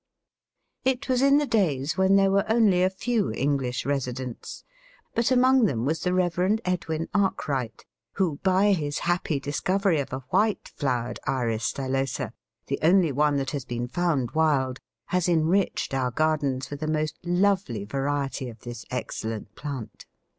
It was in the days when there were only a few English residents, but among them was the Rev. Edwyn Arkwright, who by his happy discovery of a white flowered Iris stylosa, the only one that has been found wild, has enriched our gardens with a most lovely variety of this excellent plant.